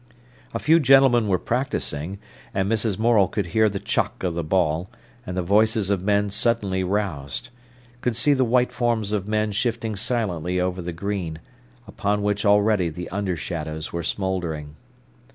A few gentlemen were practising, and Mrs. Morel could hear the chock of the ball, and the voices of men suddenly roused; could see the white forms of men shifting silently over the green, upon which already the under shadows were smouldering.